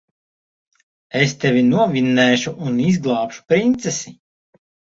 Es tevi novinnēšu un izglābšu princesi.